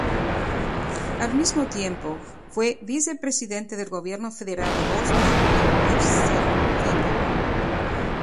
Al mismo tiempo, fue Vicepresidente del Gobierno Federal de Bosnia y Herzegovina.